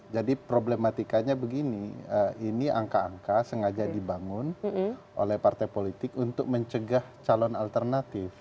jadi problematikanya begini ini angka angka sengaja dibangun oleh partai politik untuk mencegah calon alternatif